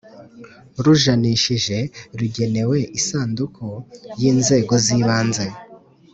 Rujanishije rugenewe isanduku y inzego z ibanze